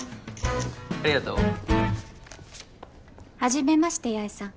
ありがとう。はじめまして八重さん